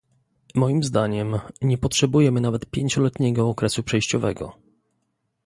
Moim zdaniem, nie potrzebujemy nawet pięcioletniego okresu przejściowego